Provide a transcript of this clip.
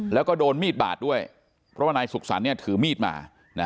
แล้วก็โดนมีดบาดด้วยเพราะว่านายสุขสรรค์ถือมีดมา